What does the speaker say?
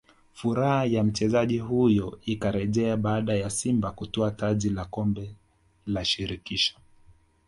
furaha ya mchezaji huyo ikarejea baada ya Simba kutwaa taji la Kombela Shirikisho